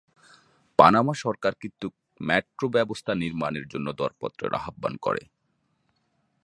Panama সরকার কর্তৃক metro ব্যবস্থার নির্মাণের জন্য দরপত্র আহ্বান করে।